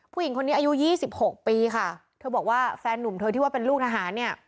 ผู้หญิงคนนี้อายุยี่สิบหกปีค่ะเธอบอกว่าแฟนนุ่มเธอที่ว่าเป็นลูกทหารเนี่ย